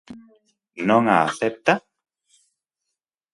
¿Non a acepta?